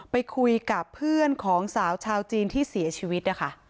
ไปคุยกับเพื่อนของสาวชาวจีนที่เสียชีวิตนะคะ